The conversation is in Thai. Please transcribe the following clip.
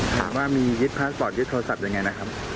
ถามว่ามียึดพาสปอร์ตยึดโทรศัพท์ยังไงนะครับ